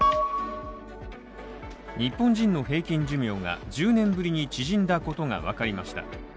日本人の平均寿命が１０年ぶりに縮んだことが分かりました。